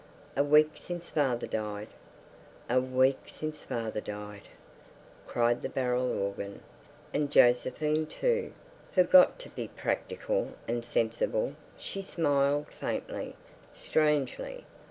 A week since father died, A week since father died, cried the barrel organ. And Josephine, too, forgot to be practical and sensible; she smiled faintly, strangely.